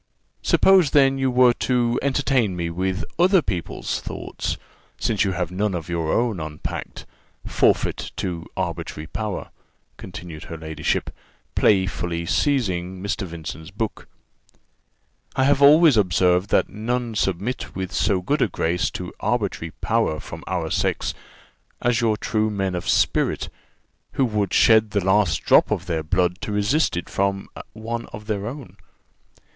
Suppose, then, you were to entertain me with other people's thoughts, since you have none of your own unpacked Forfeit to arbitrary power," continued her ladyship, playfully seizing Mr. Vincent's book. "I have always observed that none submit with so good a grace to arbitrary power from our sex as your true men of spirit, who would shed the last drop of their blood to resist it from one of their own.